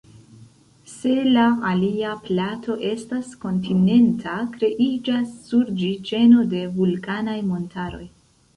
Se la alia plato estas kontinenta, kreiĝas sur ĝi ĉeno de vulkanaj montaroj.